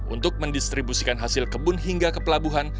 untuk mendistribusikan hasil kebun hingga ke pelabuhan